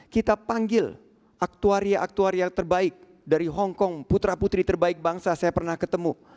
kita panggil aktuaria aktuari yang terbaik dari hongkong putra putri terbaik bangsa saya pernah ketemu